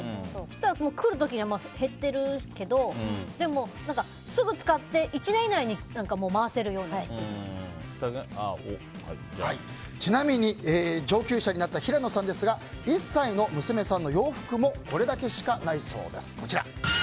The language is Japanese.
来る時には減ってるけどでもすぐ使ってちなみに、上級者になった平野さんですが１歳の娘さんの洋服もこれだけしかないそうです。